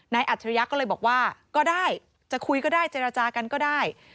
อัจฉริยะก็เลยบอกว่าก็ได้จะคุยก็ได้เจรจากันก็ได้